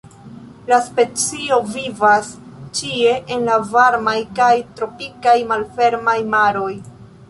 La specio vivas ĉie en la varmaj kaj tropikaj malfermaj maroj.